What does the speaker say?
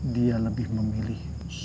dia lebih memilih sholat